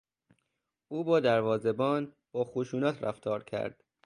او با دروازهبان با خشونت رفتار کرد.